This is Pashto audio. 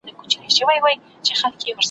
د خپل زړه درزا مي اورم ,